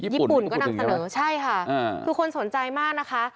ญี่ปุ่นก็นำเสนอใช่ค่ะคือคนสนใจมากนะคะ